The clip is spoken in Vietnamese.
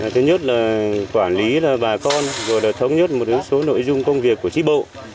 thứ nhất là quản lý bà con rồi là thống nhất một số nội dung công việc của trí bộ